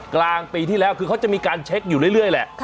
กลางปีที่แล้วคือเขาจะมีการเช็คอยู่เรื่อยแหละ